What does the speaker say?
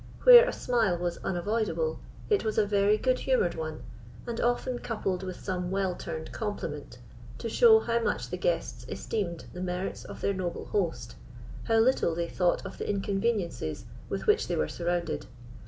Where a smile was unavoidable, it was a very good humoured one, and often coupled with some well turned compliment, to show how much the guests esteemed the merits of their noble host, how little they thought of the inconveniences with which they were surrounded.